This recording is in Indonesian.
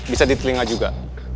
bisa di telinga juga